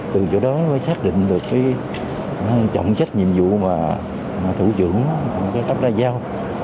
từ chỗ đó mới xác định được trọng trách nhiệm vụ mà thủ trưởng đáp đa giao